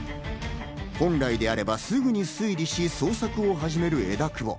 本来であればすぐに推理し、捜索を始める枝久保。